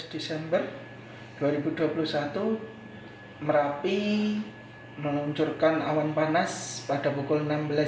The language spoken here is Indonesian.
delapan belas desember dua ribu dua puluh satu merapi menuncurkan awan panas pada pukul enam belas empat puluh tiga